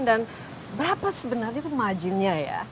dan berapa sebenarnya marginnya ya